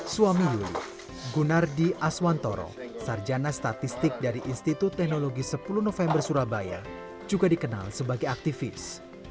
suami yuli gunardi aswantoro sarjana statistik dari institut teknologi sepuluh november surabaya juga dikenal sebagai aktivis